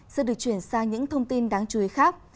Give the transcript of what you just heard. sẽ được chuyển sang những thông tin đáng chú ý khác